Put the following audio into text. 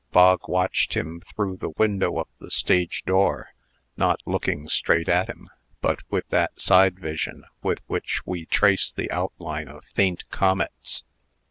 Bog watched him through the window of the stage door not looking straight at him, but with that side vision with which we trace the outline of faint comets.